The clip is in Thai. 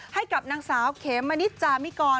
ให้กับนางสาวเขมมะนิดจามลิกรรภ์